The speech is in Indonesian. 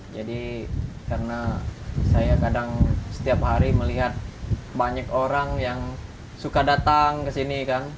jadi karena saya kadang setiap hari melihat banyak orang yang suka datang ke sini kan